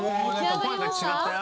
声が違ったよ。